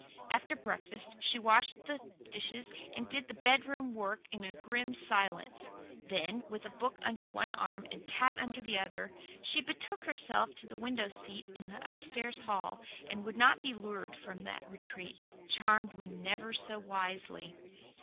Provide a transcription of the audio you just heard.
After breakfast she washed the dishes and did the bed room work in grim silence; then, with a book under one arm and Pat under the other, she betook herself to the window seat in the upstairs hall, and would not be lured from that retreat, charmed we never so wisely.